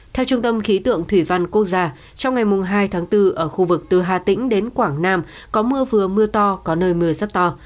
theo trung tâm khí tượng thủy văn quốc gia trong ngày hai tháng bốn ở khu vực từ hà tĩnh đến quảng nam có mưa vừa mưa to có nơi mưa rất to